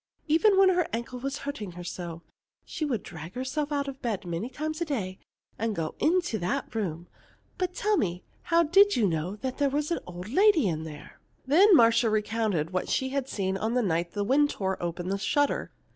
Even when her ankle was hurting her so, she would drag herself out of bed many times a day to go into that room. But tell me, how did you know there was an old lady in there?" Then Marcia recounted what she had seen on the night the wind tore open the shutter.